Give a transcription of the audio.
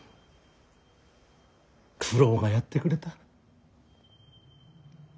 九郎がやってくれた。